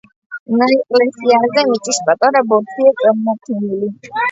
ნაეკლესიარზე მიწის პატარა ბორცვია წარმოქმნილი.